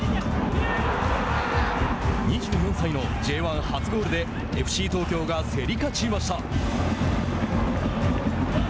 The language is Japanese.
２４歳のＪ１初ゴールでＦＣ東京が競り勝ちました。